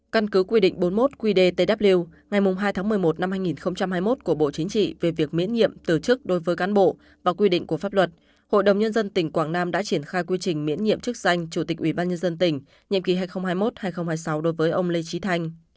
căn cứ quy định bốn mươi một qd tw ngày hai tháng một mươi một năm hai nghìn hai mươi một của bộ chính trị về việc miễn nhiệm từ chức đối với cán bộ và quy định của pháp luật hội đồng nhân dân tỉnh quảng nam đã triển khai quy trình miễn nhiệm chức danh chủ tịch ủy ban nhân dân tỉnh nhiệm kỳ hai nghìn hai mươi một hai nghìn hai mươi sáu đối với ông lê trí thanh